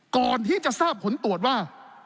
ก่อนที่จะทราบผลตรวจว่า